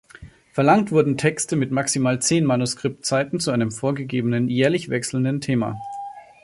Verlangt wurden Texte mit maximal zehn Manuskriptseiten zu einem vorgegebenen, jährlich wechselnden Thema.